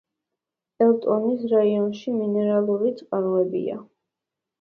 ელტონის რაიონში მინერალური წყაროებია.